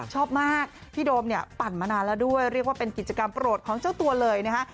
ชอบมากพี่โดมเนี่ยปั่นมานานแล้วด้วยเรียกว่าเป็นกิจกรรมโปรดของเจ้าตัวเลยนะฮะ